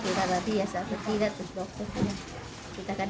kira kira rabies apa tidak dokternya